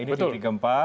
ini titik gempa